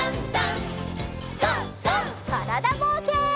からだぼうけん。